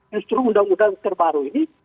justru undang undang terbaru ini